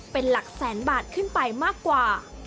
เป็นหลักแสนบาทขึ้นไปมากกว่า